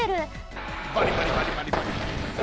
バリバリバリバリバリ。